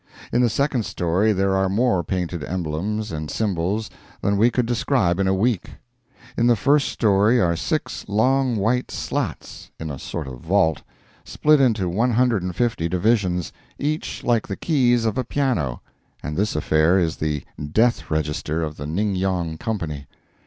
In the second story there are more painted emblems and symbols than we could describe in a week. In the first story are six long white slats (in a sort of vault) split into one hundred and fifty divisions, each like the keys of a piano, and this affair is the death register of the Ning Yong Company.